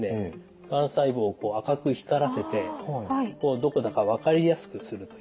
がん細胞を赤く光らせてどこだか分かりやすくするというようなことも。